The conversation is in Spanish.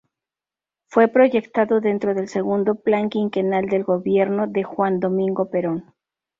Fue proyectado dentro del Segundo Plan Quinquenal del gobierno de Juan Domingo Perón.